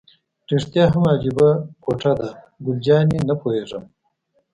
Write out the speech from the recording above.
رښتیا هم عجیبه کوټه ده، ګل جانې: نه پوهېږم.